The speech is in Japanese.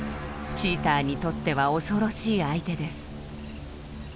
チーターにとっては恐ろしい相手です。